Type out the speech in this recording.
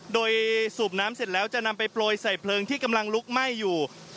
โดยสูบน้ำเสร็จแล้วจะนำไปโปรยใส่เพลิงที่กำลังลุกไหม้อยู่